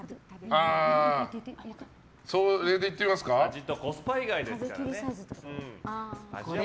味とコスパ意外ですからね。